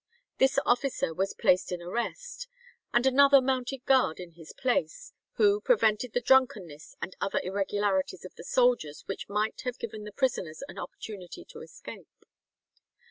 This officer was placed in arrest, and another mounted guard in his place, who "prevented the drunkenness and other irregularities of the soldiers which might have given the prisoners an opportunity to escape."